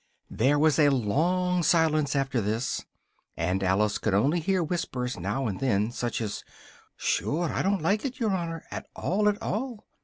There was a long silence after this, and Alice could only hear whispers now and then, such as "shure I don't like it, yer honour, at all at all!"